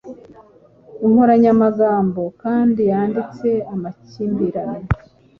inkoranyamagambo kandi yanditse amakimbirane